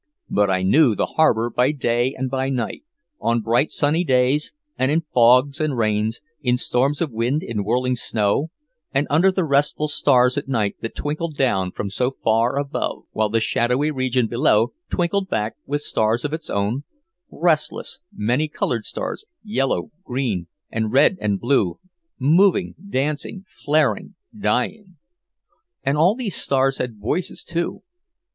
But I knew the harbor by day and by night, on bright sunny days and in fogs and rains, in storms of wind, in whirling snow, and under the restful stars at night that twinkled down from so far above, while the shadowy region below twinkled back with stars of its own, restless, many colored stars, yellow, green and red and blue, moving, dancing, flaring, dying. And all these stars had voices, too.